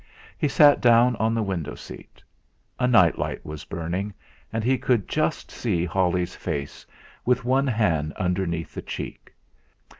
He sat down on the window seat. A night light was burning, and he could just see Holly's face, with one hand underneath the cheek.